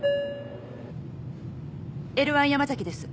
Ｌ１山崎です。